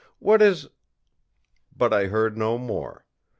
What is î But I heard no more.